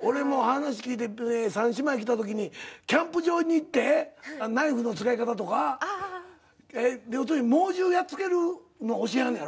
俺も話聞いてて３姉妹来たときにキャンプ場に行ってナイフの使い方とか要するに猛獣やっつけるのを教えはんねやろ？